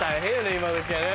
今どきはね。